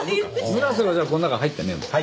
村瀬はじゃあこの中入ってねえんだ。